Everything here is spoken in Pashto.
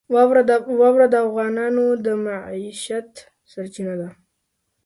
واوره د افغانانو د معیشت سرچینه ده.